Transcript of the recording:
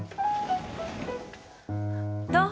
どう？